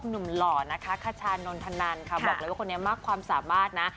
หล่อนะคะคชานนทนันค่ะบอกเลยว่าคนนี้มากความสามารถนะ